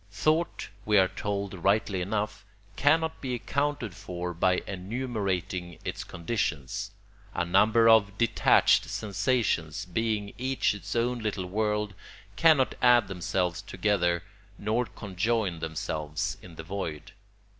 Thought, we are told rightly enough, cannot be accounted for by enumerating its conditions. A number of detached sensations, being each its own little world, cannot add themselves together nor conjoin themselves in the void.